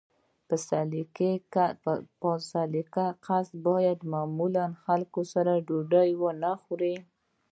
با سلیقه کس باید له معمولي خلکو سره ډوډۍ ونه خوري.